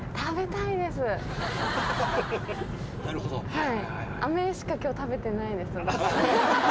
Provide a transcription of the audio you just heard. はい。